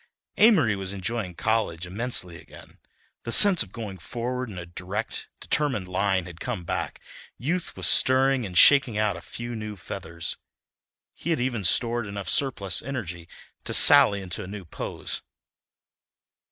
Amory was enjoying college immensely again. The sense of going forward in a direct, determined line had come back; youth was stirring and shaking out a few new feathers. He had even stored enough surplus energy to sally into a new pose.